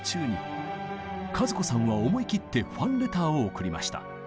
和子さんは思い切ってファンレターを送りました。